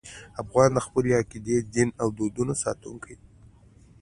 افغان د خپلې عقیدې، دین او دودونو ساتونکی دی.